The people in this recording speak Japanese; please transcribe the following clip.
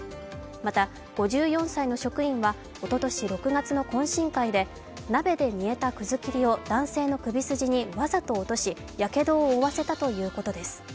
また、５４歳の職員はおととし６月の懇親会で鍋で煮えた葛切りを男性の首筋にわざと落としやけどを負わせたということです。